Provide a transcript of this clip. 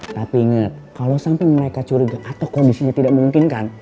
tapi inget kalo sampe mereka curiga atau kondisinya tidak mungkin kan